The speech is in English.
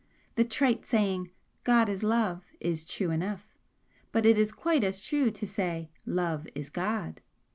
The trite saying 'God is Love' is true enough, but it is quite as true to say 'Love is God.'